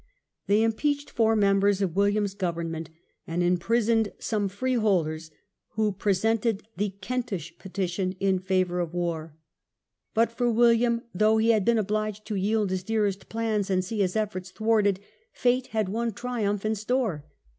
They impeached four members of 1 See p. XII DEATH OF KING WILLIAM. II 5 William's government, and imprisoned some freeholders who presented the " Kentish Petition " in favour of war. But for William, though he had been obliged to yield his dearest plans and see his efforts thwarted, fate had one triumph in store.